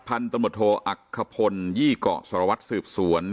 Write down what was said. พันธุ์ตำรวจโทอักขพลยี่เกาะสารวัตรสืบสวน